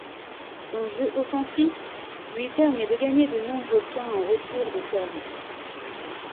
Son jeu offensif lui permet de gagner de nombreux points en retours de service.